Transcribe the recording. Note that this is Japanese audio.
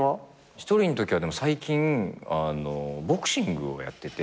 一人のときは最近ボクシングをやってて。